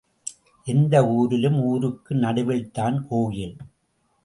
எந்த ஊரிலும், ஊருக்கு நடுவில்தான் கோயில்.